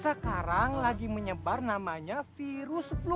sekarang lagi menyebar namanya virus flu